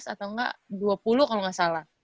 lima belas atau gak dua puluh kalau gak salah